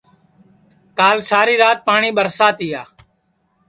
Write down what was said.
کال ساری رات پاٹؔی ٻرسا تیا